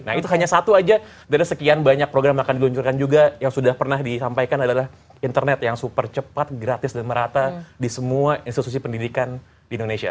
nah itu hanya satu aja dari sekian banyak program yang akan diluncurkan juga yang sudah pernah disampaikan adalah internet yang super cepat gratis dan merata di semua institusi pendidikan di indonesia